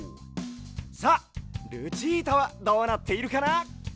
さあルチータはどうなっているかな？